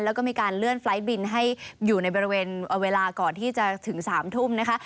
แล้วก็มีการเลื่อนไฟล์บินให้อยู่ในบริเวณเวลาก่อนที่จะถึง๓ทุ่มนะคะ